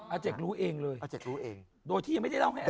อาเจกรู้เองเลยโดยที่ยังไม่ได้เล่าให้อาเจก